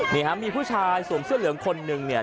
นี่ฮะมีผู้ชายสวมเสื้อเหลืองคนหนึ่งเนี่ย